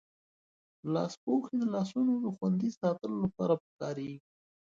لاسپوښي د لاسونو دخوندي ساتلو لپاره پکاریږی.